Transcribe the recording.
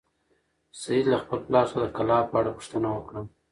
سعید له خپل پلار څخه د کلا په اړه پوښتنه وکړه.